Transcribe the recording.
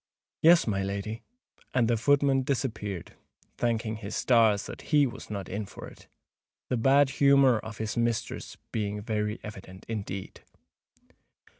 "Yes, my lady;"—and the footman disappeared, thanking his stars that he was not "in for it,"—the bad humour of his mistress being very evident indeed.